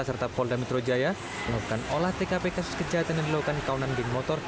serta polda metro jaya melakukan olah tkp kasus kejahatan yang dilakukan kawanan geng motor